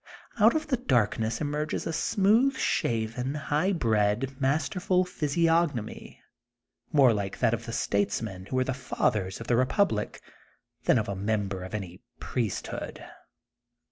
Out of the darkness emerges a smooth shaven, high bred, masterful physiognomy more like that of the statesmen who were the fathers of the repub lic, than of a member of any priesthood.